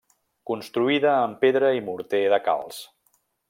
Construïda amb pedra i morter de calç.